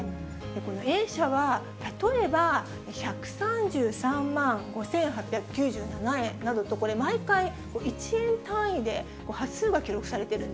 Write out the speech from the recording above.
このＡ社は、例えば１３３万５８９７円などと、これ毎回、１円単位で端数が記録